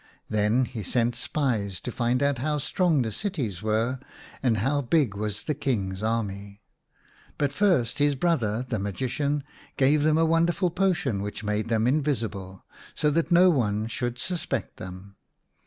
Then he sent spies to find out how strong the cities were and how big was the King's army. But first his brother the magician gave them a wonderful potion which made them invisible, so that no one should suspect them.